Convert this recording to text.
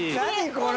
これ。